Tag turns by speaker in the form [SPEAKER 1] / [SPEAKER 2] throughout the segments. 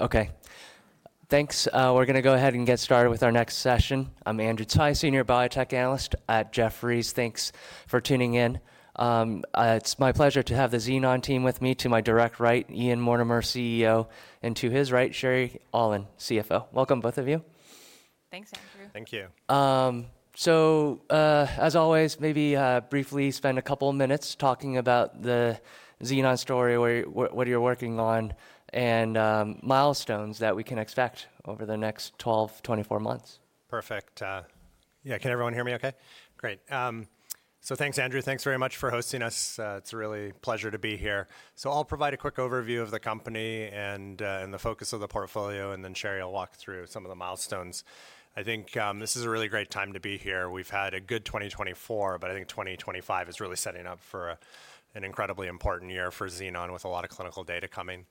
[SPEAKER 1] Okay. Thanks. We're going to go ahead and get started with our next session. I'm Andrew Tsai, Senior Biotech Analyst at Jefferies. Thanks for tuning in. It's my pleasure to have the Xenon team with me to my direct right, Ian Mortimer, CEO, and to his right, Sherry Aulin, CFO. Welcome, both of you.
[SPEAKER 2] Thanks, Andrew.
[SPEAKER 3] Thank you.
[SPEAKER 1] As always, maybe briefly spend a couple of minutes talking about the Xenon story, what you're working on, and milestones that we can expect over the next 12-24 months.
[SPEAKER 3] Perfect. Yeah. Can everyone hear me okay? Great. So thanks, Andrew. Thanks very much for hosting us. It's a really pleasure to be here. So I'll provide a quick overview of the company and the focus of the portfolio, and then Sherry will walk through some of the milestones. I think this is a really great time to be here. We've had a good 2024, but I think 2025 is really setting up for an incredibly important year for Xenon with a lot of clinical data coming.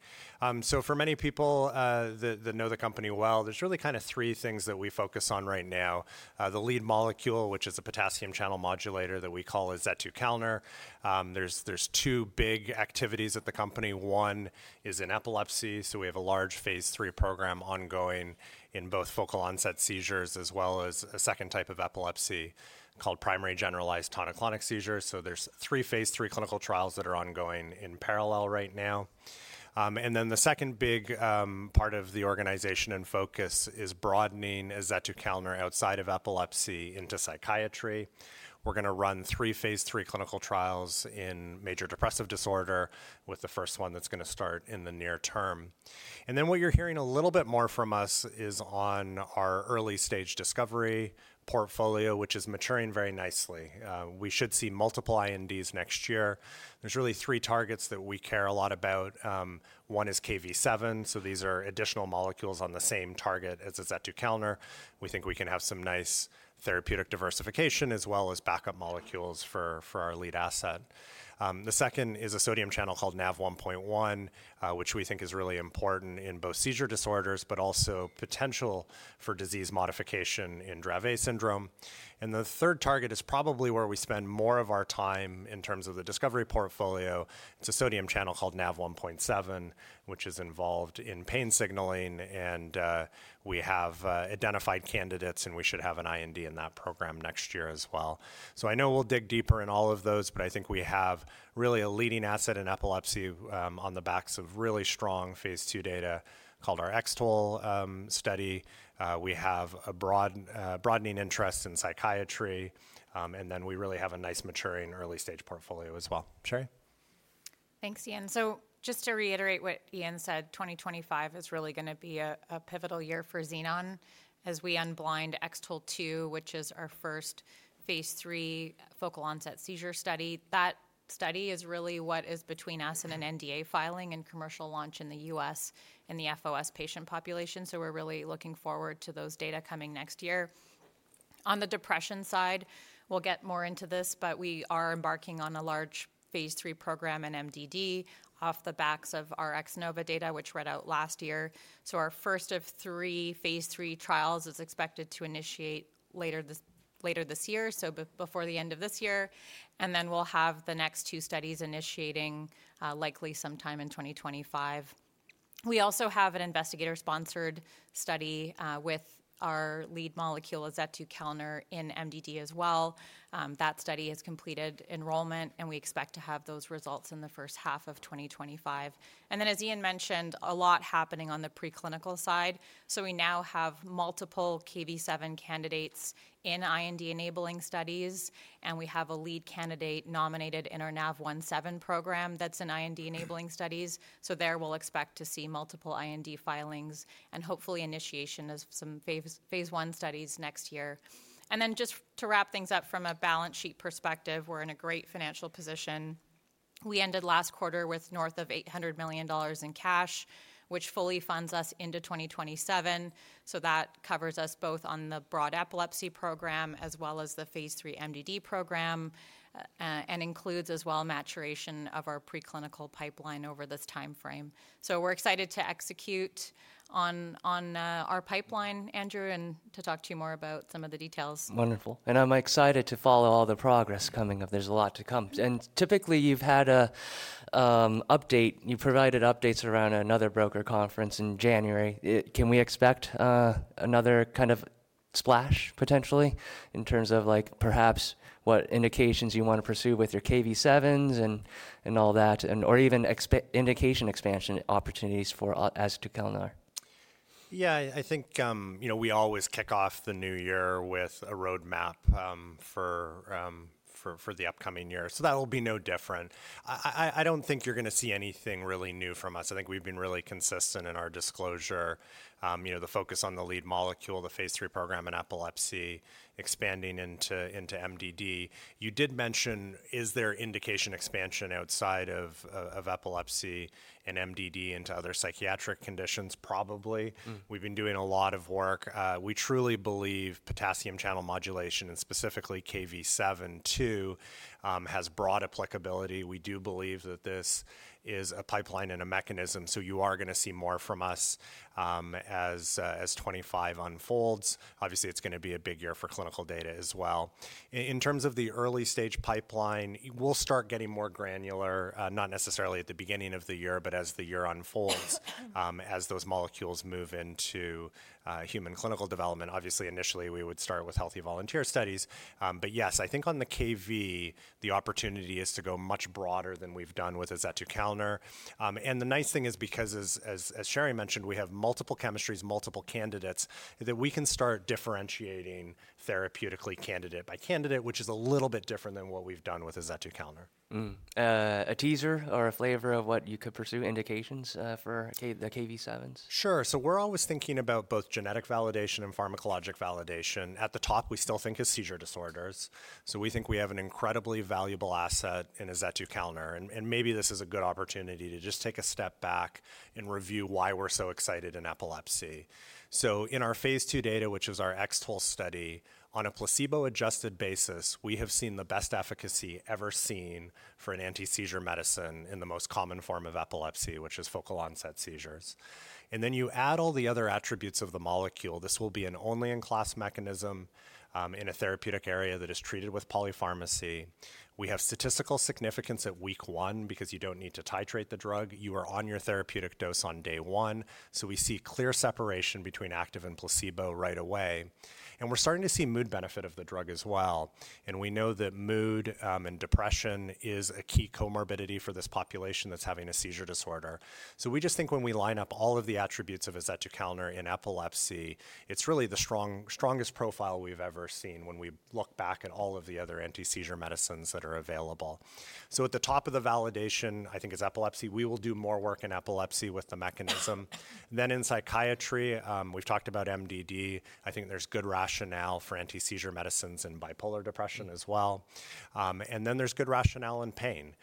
[SPEAKER 3] So for many people that know the company well, there's really kind of three things that we focus on right now. The lead molecule, which is a potassium channel modulator that we call azetukalner. There's two big activities at the company. One is in epilepsy. So we have a large phase 3 program ongoing in both focal onset seizures as well as a second type of epilepsy called primary generalized tonic-clonic seizures. So there's three phase 3 clinical trials that are ongoing in parallel right now. And then the second big part of the organization and focus is broadening azetukalner outside of epilepsy into psychiatry. We're going to run three phase 3 clinical trials in major depressive disorder, with the first one that's going to start in the near term. And then what you're hearing a little bit more from us is on our early stage discovery portfolio, which is maturing very nicely. We should see multiple INDs next year. There's really three targets that we care a lot about. One is Kv7. So these are additional molecules on the same target as azetukalner. We think we can have some nice therapeutic diversification as well as backup molecules for our lead asset. The second is a sodium channel called NaV1.1, which we think is really important in both seizure disorders, but also potential for disease modification in Dravet syndrome. And the third target is probably where we spend more of our time in terms of the discovery portfolio. It's a sodium channel called NaV1.7, which is involved in pain signaling, and we have identified candidates, and we should have an IND in that program next year as well. So I know we'll dig deeper in all of those, but I think we have really a leading asset in epilepsy on the backs of really strong phase two data called our X-TOLE study. We have a broadening interest in psychiatry, and then we really have a nice maturing early stage portfolio as well. Sherry?
[SPEAKER 2] Thanks, Ian. So just to reiterate what Ian said, 2025 is really going to be a pivotal year for Xenon as we unblind X-TOLE2 which is our first phase three focal onset seizure study. That study is really what is between us and an NDA filing and commercial launch in the U.S. in the FOS patient population. So we're really looking forward to those data coming next year. On the depression side, we'll get more into this, but we are embarking on a large phase three program in MDD off the backs of our X-NOVA data, which read out last year. So our first of three phase three trials is expected to initiate later this year, so before the end of this year, and then we'll have the next two studies initiating likely sometime in 2025. We also have an investigator-sponsored study with our lead molecule azetukalner in MDD as well. That study has completed enrollment, and we expect to have those results in the first half of 2025, and then, as Ian mentioned, a lot happening on the preclinical side, so we now have multiple Kv7 candidates in IND-enabling studies, and we have a lead candidate nominated in our NaV1.7 program that's in IND-enabling studies, so there we'll expect to see multiple IND filings and hopefully initiation of some phase one studies next year, and then just to wrap things up from a balance sheet perspective, we're in a great financial position. We ended last quarter with north of $800 million in cash, which fully funds us into 2027. So that covers us both on the broad epilepsy program as well as the phase three MDD program and includes as well maturation of our preclinical pipeline over this timeframe. So we're excited to execute on our pipeline, Andrew, and to talk to you more about some of the details.
[SPEAKER 1] Wonderful, and I'm excited to follow all the progress coming up. There's a lot to come, and typically you've had an update. You provided updates around another broker conference in January. Can we expect another kind of splash potentially in terms of perhaps what indications you want to pursue with your Kv7s and all that, or even indication expansion opportunities for azetukalner?
[SPEAKER 3] Yeah, I think we always kick off the new year with a roadmap for the upcoming year. So that will be no different. I don't think you're going to see anything really new from us. I think we've been really consistent in our disclosure, the focus on the lead molecule, the phase 3 program in epilepsy expanding into MDD. You did mention, is there indication expansion outside of epilepsy and MDD into other psychiatric conditions? Probably. We've been doing a lot of work. We truly believe potassium channel modulation and specifically Kv7.2 has broad applicability. We do believe that this is a pipeline and a mechanism. So you are going to see more from us as 2025 unfolds. Obviously, it's going to be a big year for clinical data as well. In terms of the early stage pipeline, we'll start getting more granular, not necessarily at the beginning of the year, but as the year unfolds, as those molecules move into human clinical development. Obviously, initially we would start with healthy volunteer studies. But yes, I think on the Kv7, the opportunity is to go much broader than we've done with azetukalner. And the nice thing is because, as Sherry mentioned, we have multiple chemistries, multiple candidates that we can start differentiating therapeutically candidate by candidate, which is a little bit different than what we've done with azetukalner.
[SPEAKER 1] A teaser or a flavor of what you could pursue indications for the Kv7s?
[SPEAKER 3] Sure, so we're always thinking about both genetic validation and pharmacologic validation. At the top, we still think of seizure disorders, so we think we have an incredibly valuable asset in azetukalner, and maybe this is a good opportunity to just take a step back and review why we're so excited in epilepsy, so in our phase 2 data, which is our X-TOLE study, on a placebo-adjusted basis, we have seen the best efficacy ever seen for an anti-seizure medicine in the most common form of epilepsy, which is focal onset seizures, and then you add all the other attributes of the molecule. This will be an only-in-class mechanism in a therapeutic area that is treated with polypharmacy. We have statistical significance at week one because you don't need to titrate the drug. You are on your therapeutic dose on day one. We see clear separation between active and placebo right away. We're starting to see mood benefit of the drug as well. We know that mood and depression is a key comorbidity for this population that's having a seizure disorder. We just think when we line up all of the attributes of azetukalner in epilepsy, it's really the strongest profile we've ever seen when we look back at all of the other anti-seizure medicines that are available. At the top of the validation, I think is epilepsy. We will do more work in epilepsy with the mechanism. Then in psychiatry, we've talked about MDD. I think there's good rationale for anti-seizure medicines in bipolar depression as well. Then there's good rationale in pain.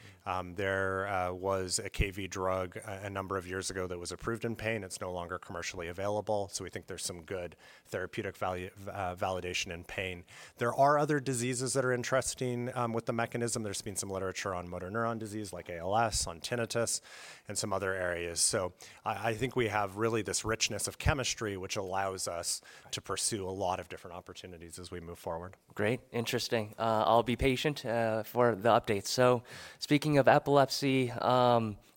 [SPEAKER 3] There was a Kv7 drug a number of years ago that was approved in pain. It's no longer commercially available. So we think there's some good therapeutic validation in pain. There are other diseases that are interesting with the mechanism. There's been some literature on motor neuron disease like ALS, on tinnitus, and some other areas. So I think we have really this richness of chemistry, which allows us to pursue a lot of different opportunities as we move forward.
[SPEAKER 1] Great. Interesting. I'll be patient for the updates. So speaking of epilepsy,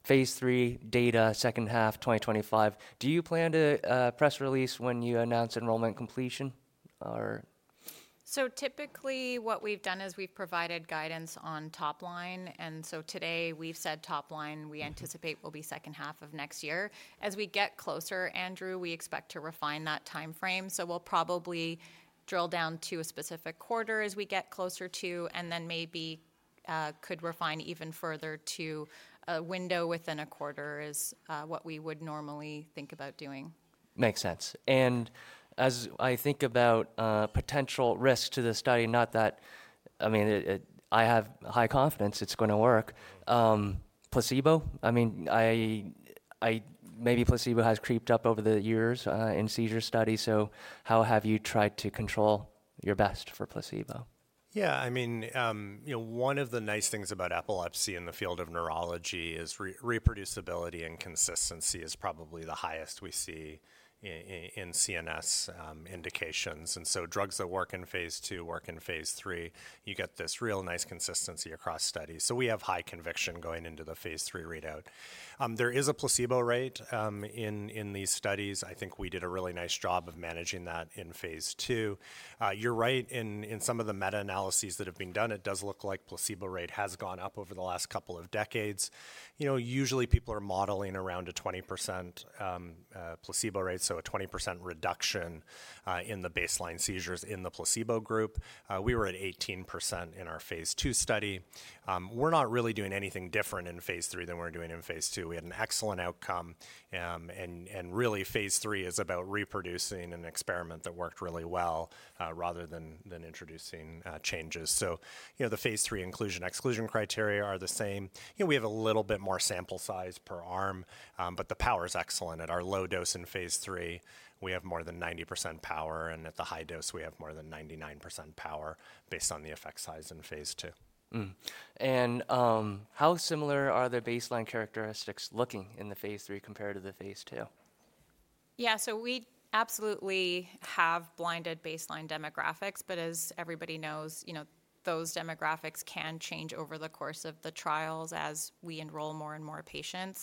[SPEAKER 1] phase 3 data, second half 2025, do you plan to press release when you announce enrollment completion?
[SPEAKER 2] So typically what we've done is we've provided guidance on top line. And so today we've said top line we anticipate will be second half of next year. As we get closer, Andrew, we expect to refine that timeframe. So we'll probably drill down to a specific quarter as we get closer to, and then maybe could refine even further to a window within a quarter is what we would normally think about doing.
[SPEAKER 1] Makes sense. And as I think about potential risk to the study, not that I mean, I have high confidence it's going to work. Placebo, I mean, maybe placebo has crept up over the years in seizure studies. So how have you tried to control your best for placebo?
[SPEAKER 3] Yeah, I mean, one of the nice things about epilepsy in the field of neurology is reproducibility and consistency is probably the highest we see in CNS indications. And so drugs that work in phase 2 work in phase 3. You get this real nice consistency across studies. So we have high conviction going into the phase 3 readout. There is a placebo rate in these studies. I think we did a really nice job of managing that in phase 2. You're right in some of the meta-analyses that have been done. It does look like placebo rate has gone up over the last couple of decades. Usually people are modeling around a 20% placebo rate, so a 20% reduction in the baseline seizures in the placebo group. We were at 18% in our phase 2 study. We're not really doing anything different in phase three than we're doing in phase two. We had an excellent outcome, and really phase three is about reproducing an experiment that worked really well rather than introducing changes, so the phase three inclusion-exclusion criteria are the same. We have a little bit more sample size per arm, but the power is excellent. At our low dose in phase three, we have more than 90% power, and at the high dose, we have more than 99% power based on the effect size in phase two.
[SPEAKER 1] How similar are the baseline characteristics looking in the phase three compared to the phase two?
[SPEAKER 2] Yeah, so we absolutely have blinded baseline demographics, but as everybody knows, those demographics can change over the course of the trials as we enroll more and more patients.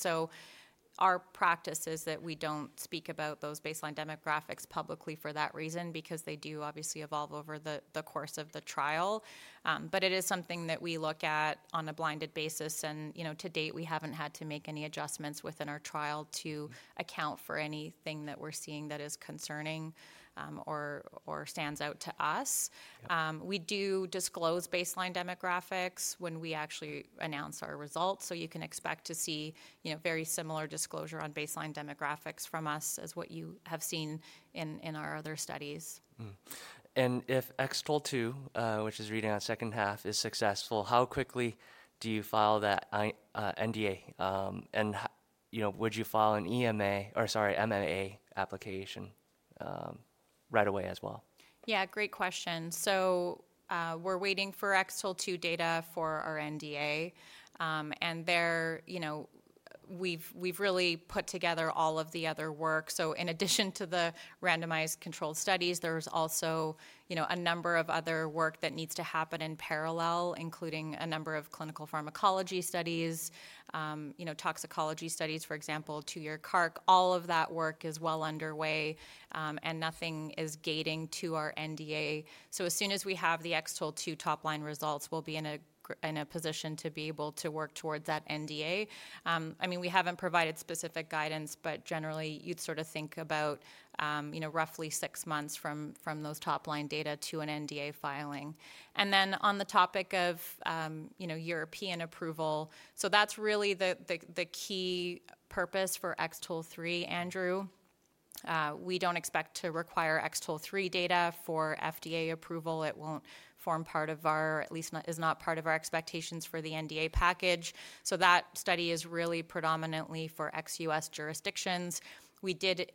[SPEAKER 2] So our practice is that we don't speak about those baseline demographics publicly for that reason because they do obviously evolve over the course of the trial. But it is something that we look at on a blinded basis. And to date, we haven't had to make any adjustments within our trial to account for anything that we're seeing that is concerning or stands out to us. We do disclose baseline demographics when we actually announce our results. So you can expect to see very similar disclosure on baseline demographics from us as what you have seen in our other studies.
[SPEAKER 1] If X-TOLE2, which is reading out second half, is successful, how quickly do you file that NDA? And would you file an EMA or sorry, MAA application right away as well?
[SPEAKER 2] Yeah, great question. So we're waiting for X-TOLE2 data for our NDA. And we've really put together all of the other work. So in addition to the randomized controlled studies, there's also a number of other work that needs to happen in parallel, including a number of clinical pharmacology studies, toxicology studies, for example, two-year CARD. All of that work is well underway and nothing is gating to our NDA. So as soon as we have the X-TOLE2 top line results, we'll be in a position to be able to work towards that NDA. I mean, we haven't provided specific guidance, but generally you'd sort of think about roughly six months from those top line data to an NDA filing. And then on the topic of European approval, so that's really the key purpose for X-TOLE3, Andrew. We don't expect to require X-TOLE3 data for FDA approval. It won't form part of our expectations for the NDA package. So that study is really predominantly for ex-US jurisdictions. We did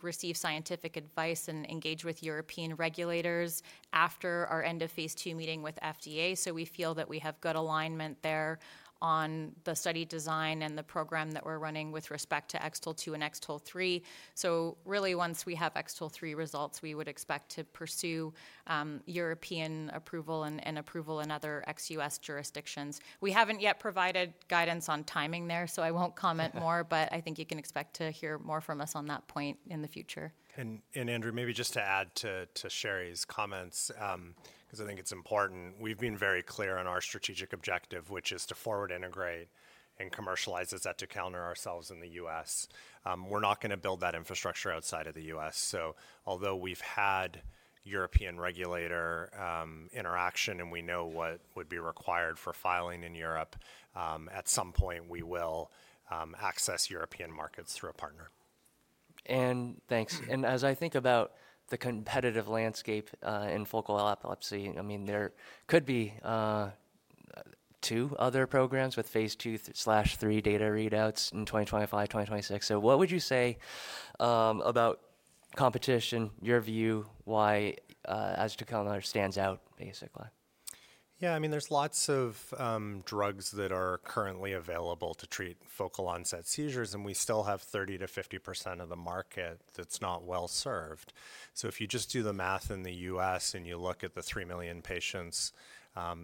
[SPEAKER 2] receive scientific advice and engage with European regulators after our end of phase two meeting with FDA. So we feel that we have good alignment there on the study design and the program that we're running with respect to X-TOLE2 and X-TOLE3. So really once we have X-TOLE3 results, we would expect to pursue European approval and approval in other Ex-US jurisdictions. We haven't yet provided guidance on timing there, so I won't comment more, but I think you can expect to hear more from us on that point in the future.
[SPEAKER 3] Andrew, maybe just to add to Sherry's comments, because I think it's important, we've been very clear on our strategic objective, which is to forward integrate and commercialize azetukalner ourselves in the US. We're not going to build that infrastructure outside of the US. So although we've had European regulator interaction and we know what would be required for filing in Europe, at some point we will access European markets through a partner.
[SPEAKER 1] Thanks. As I think about the competitive landscape in focal epilepsy, I mean, there could be two other programs with phase 2/3 data readouts in 2025, 2026. So what would you say about competition, your view, why azetukalner stands out basically?
[SPEAKER 3] Yeah, I mean, there's lots of drugs that are currently available to treat focal onset seizures, and we still have 30%-50% of the market that's not well served. So if you just do the math in the U.S. and you look at the 3 million patients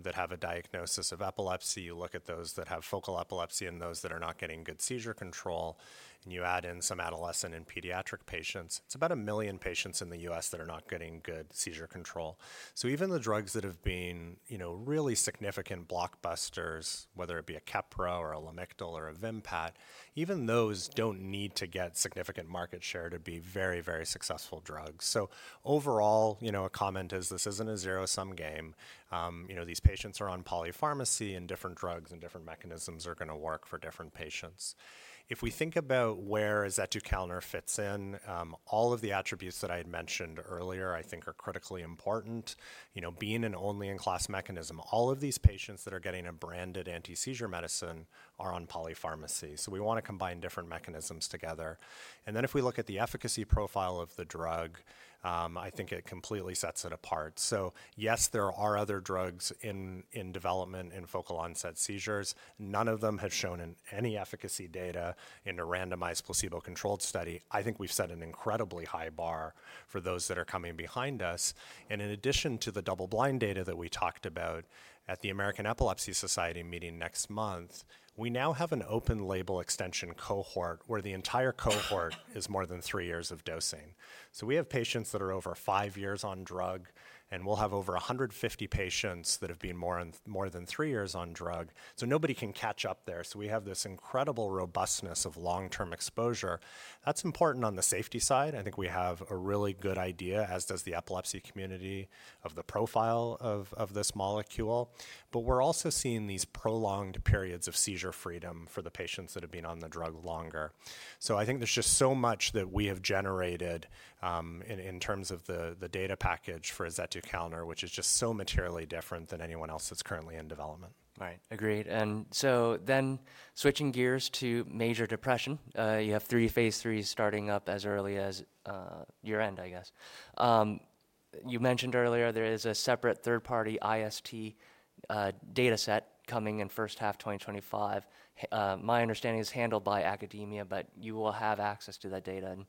[SPEAKER 3] that have a diagnosis of epilepsy, you look at those that have focal epilepsy and those that are not getting good seizure control, and you add in some adolescent and pediatric patients, it's about a million patients in the U.S. that are not getting good seizure control. So even the drugs that have been really significant blockbusters, whether it be a Keppra or a Lamictal or a Vimpat, even those don't need to get significant market share to be very, very successful drugs. So overall, a comment is this isn't a zero-sum game. These patients are on polypharmacy and different drugs and different mechanisms are going to work for different patients. If we think about where azetukalner fits in, all of the attributes that I had mentioned earlier, I think are critically important. Being an only-in-class mechanism, all of these patients that are getting a branded anti-seizure medicine are on polypharmacy. So we want to combine different mechanisms together. And then if we look at the efficacy profile of the drug, I think it completely sets it apart. So yes, there are other drugs in development in focal onset seizures. None of them have shown in any efficacy data in a randomized placebo-controlled study. I think we've set an incredibly high bar for those that are coming behind us. In addition to the double-blind data that we talked about at the American Epilepsy Society meeting next month, we now have an open label extension cohort where the entire cohort is more than three years of dosing. So we have patients that are over five years on drug, and we'll have over 150 patients that have been more than three years on drug. So nobody can catch up there. So we have this incredible robustness of long-term exposure. That's important on the safety side. I think we have a really good idea, as does the epilepsy community, of the profile of this molecule. But we're also seeing these prolonged periods of seizure freedom for the patients that have been on the drug longer. I think there's just so much that we have generated in terms of the data package for azetukalner, which is just so materially different than anyone else that's currently in development.
[SPEAKER 1] Right. Agreed, and so then switching gears to major depression, you have three phase 3 starting up as early as year-end, I guess. You mentioned earlier there is a separate third-party IST data set coming in first half 2025. My understanding is handled by academia, but you will have access to that data and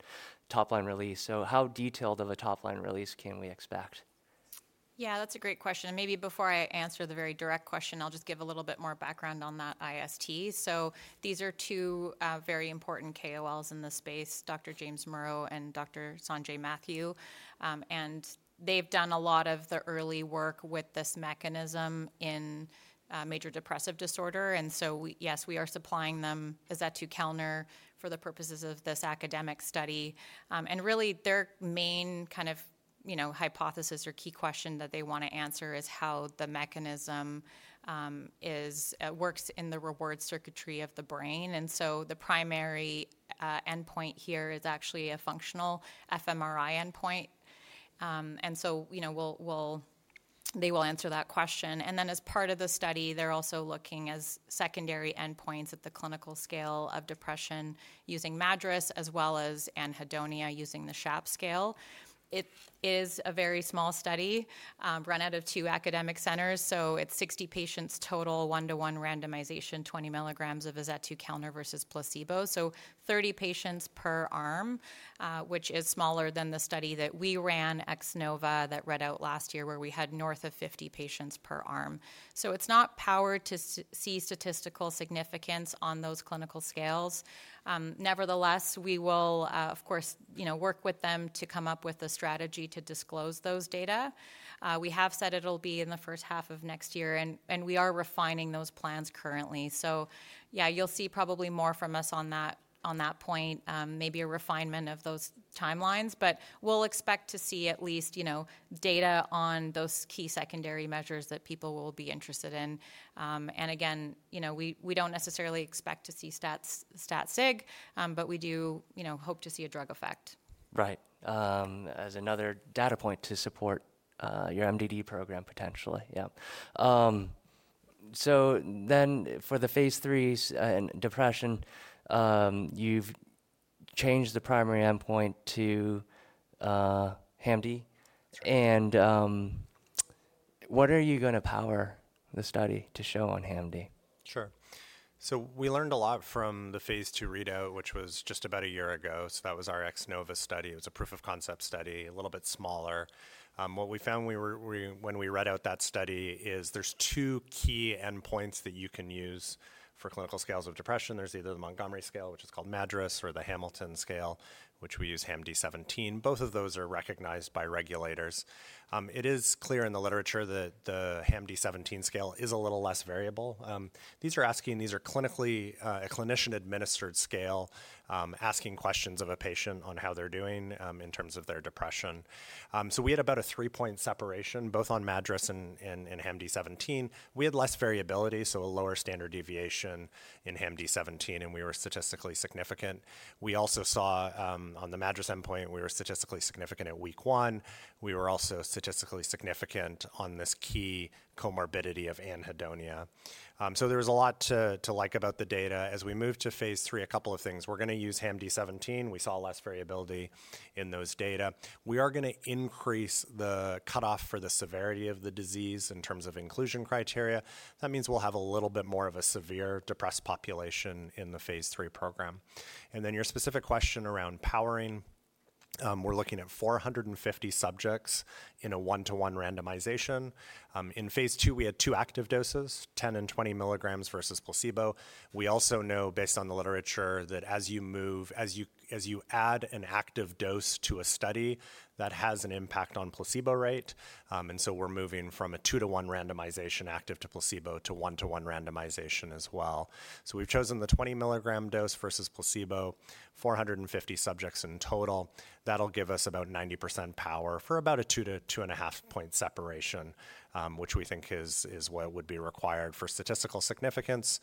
[SPEAKER 1] top line release. So how detailed of a top line release can we expect?
[SPEAKER 2] Yeah, that's a great question. And maybe before I answer the very direct question, I'll just give a little bit more background on that IST. So these are two very important KOLs in the space, Dr. James Murrough and Dr. Sanjay Mathew. And they've done a lot of the early work with this mechanism in major depressive disorder. And so yes, we are supplying them azetukalner for the purposes of this academic study. And really their main kind of hypothesis or key question that they want to answer is how the mechanism works in the reward circuitry of the brain. And so the primary endpoint here is actually a functional fMRI endpoint. And so they will answer that question. And then as part of the study, they're also looking as secondary endpoints at the clinical scale of depression using MADRS as well as anhedonia, using the SHAPS scale. It is a very small study run out of two academic centers. So it's 60 patients total, one-to-one randomization, 20 milligrams of azetukalner versus placebo. So 30 patients per arm, which is smaller than the study that we ran X-NOVA that read out last year where we had north of 50 patients per arm. So it's not power to see statistical significance on those clinical scales. Nevertheless, we will, of course, work with them to come up with a strategy to disclose those data. We have said it'll be in the first half of next year, and we are refining those plans currently. So yeah, you'll see probably more from us on that point, maybe a refinement of those timelines, but we'll expect to see at least data on those key secondary measures that people will be interested in. And again, we don't necessarily expect to see stat sig, but we do hope to see a drug effect.
[SPEAKER 1] Right. As another data point to support your MDD program potentially. Yeah. So then for the phase three depression, you've changed the primary endpoint to HAM-D17. And what are you going to power the study to show on HAM-D17?
[SPEAKER 3] Sure. So we learned a lot from the phase 2 readout, which was just about a year ago. So that was our X-NOVA study. It was a proof of concept study, a little bit smaller. What we found when we read out that study is there's two key endpoints that you can use for clinical scales of depression. There's either the Montgomery scale, which is called MADRS, or the Hamilton scale, which we use HAM-D17. Both of those are recognized by regulators. It is clear in the literature that the HAM-D17 scale is a little less variable. These are asking, these are clinically a clinician-administered scale asking questions of a patient on how they're doing in terms of their depression. So we had about a three-point separation both on MADRS and HAM-D17. We had less variability, so a lower standard deviation in HAM-D17, and we were statistically significant. We also saw on the MADRS endpoint, we were statistically significant at week 1. We were also statistically significant on this key comorbidity of anhedonia. So there was a lot to like about the data. As we move to phase 3, a couple of things. We're going to use HAM-D17. We saw less variability in those data. We are going to increase the cutoff for the severity of the disease in terms of inclusion criteria. That means we'll have a little bit more of a severe depressed population in the phase 3 program. And then your specific question around powering, we're looking at 450 subjects in a 1-to-1 randomization. In phase 2, we had two active doses, 10 and 20 milligrams versus placebo. We also know based on the literature that as you move, as you add an active dose to a study, that has an impact on placebo rate, and so we're moving from a two-to-one randomization active to placebo to one-to-one randomization as well, so we've chosen the 20-milligram dose versus placebo, 450 subjects in total. That'll give us about 90% power for about a two- to two-and-a-half-point separation, which we think is what would be required for statistical significance,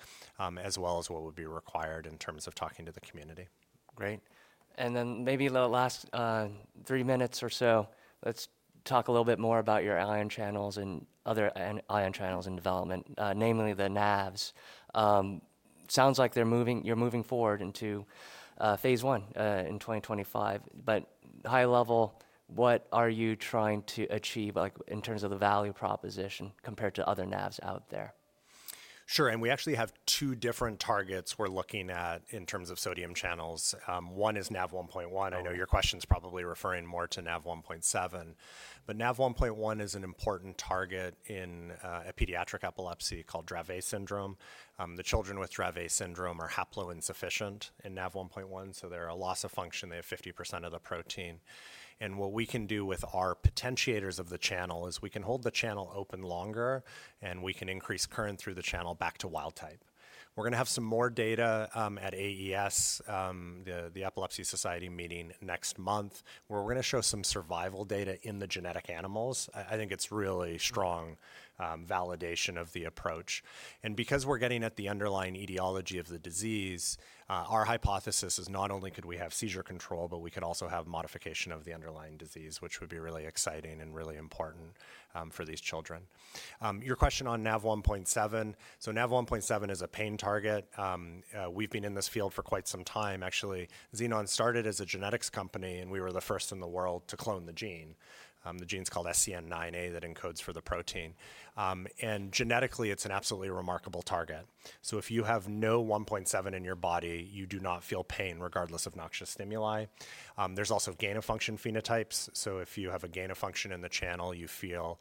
[SPEAKER 3] as well as what would be required in terms of talking to the community.
[SPEAKER 1] Great. And then maybe last three minutes or so, let's talk a little bit more about your ion channels and other ion channels in development, namely the NaVs. Sounds like you're moving forward into phase 1 in 2025, but high level, what are you trying to achieve in terms of the value proposition compared to other NaVs out there?
[SPEAKER 3] Sure. And we actually have two different targets we're looking at in terms of sodium channels. One is NaV1.1. I know your question is probably referring more to NaV1.7, but NaV1.1 is an important target in a pediatric epilepsy called Dravet syndrome. The children with Dravet syndrome are haplo-insufficient in NaV1.1, so they're a loss of function. They have 50% of the protein. And what we can do with our potentiators of the channel is we can hold the channel open longer, and we can increase current through the channel back to wild type. We're going to have some more data at AES, the Epilepsy Society meeting next month, where we're going to show some survival data in the genetic animals. I think it's really strong validation of the approach. And because we're getting at the underlying etiology of the disease, our hypothesis is not only could we have seizure control, but we could also have modification of the underlying disease, which would be really exciting and really important for these children. Your question on NaV1.7, so NaV1.7 is a pain target. We've been in this field for quite some time. Actually, Xenon started as a genetics company, and we were the first in the world to clone the gene. The gene is called SCN9A that encodes for the protein. And genetically, it's an absolutely remarkable target. So if you have no NaV1.7 in your body, you do not feel pain regardless of noxious stimuli. There's also gain of function phenotypes. So if you have a gain of function in the channel, you feel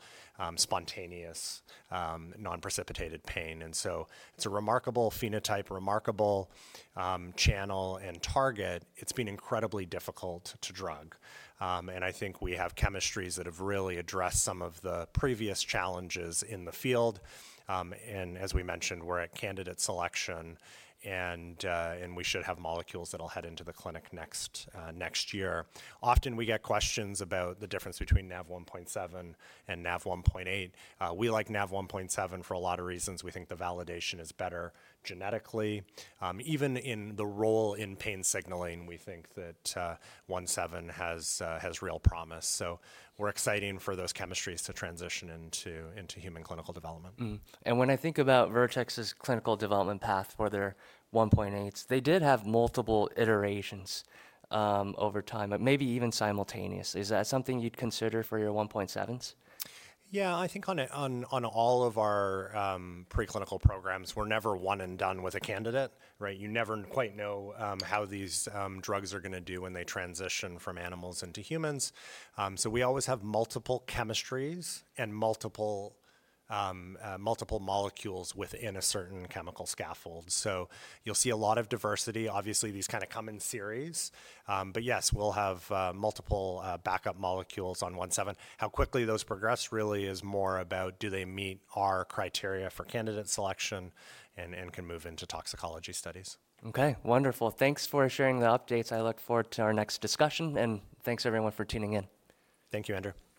[SPEAKER 3] spontaneous, non-precipitated pain. And so it's a remarkable phenotype, remarkable channel and target. It's been incredibly difficult to drug, and I think we have chemistries that have really addressed some of the previous challenges in the field, and as we mentioned, we're at candidate selection, and we should have molecules that'll head into the clinic next year. Often we get questions about the difference between NaV1.7 and NaV1.8. We like NaV1.7 for a lot of reasons. We think the validation is better genetically. Even in the role in pain signaling, we think that NaV1.7 has real promise, so we're excited for those chemistries to transition into human clinical development.
[SPEAKER 1] When I think about Vertex's clinical development path for their 1.8s, they did have multiple iterations over time, but maybe even simultaneous. Is that something you'd consider for your 1.7s?
[SPEAKER 3] Yeah, I think on all of our preclinical programs, we're never one and done with a candidate, right? You never quite know how these drugs are going to do when they transition from animals into humans. So we always have multiple chemistries and multiple molecules within a certain chemical scaffold. So you'll see a lot of diversity. Obviously, these kind of come in series. But yes, we'll have multiple backup molecules on 1.7. How quickly those progress really is more about do they meet our criteria for candidate selection and can move into toxicology studies.
[SPEAKER 1] Okay. Wonderful. Thanks for sharing the updates. I look forward to our next discussion, and thanks everyone for tuning in.
[SPEAKER 3] Thank you, Andrew.